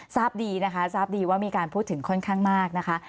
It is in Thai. ทราบดีนะคะทราบดีว่ามีการพูดถึงค่อนข้างมากนะคะ